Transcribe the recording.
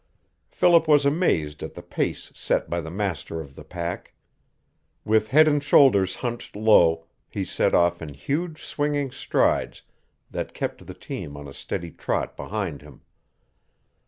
Philip was amazed at the pace set by the master of the pack. With head and shoulders hunched low he set off in huge swinging strides that kept the team on a steady trot behind him.